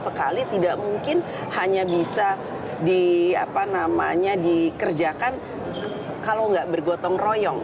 sekali tidak mungkin hanya bisa dikerjakan kalau nggak bergotong royong